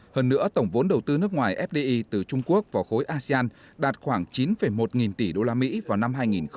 hơn nữa tổng vốn đầu tư nước ngoài fdi từ trung quốc vào khối asean đạt khoảng chín một nghìn tỷ usd vào năm hai nghìn hai mươi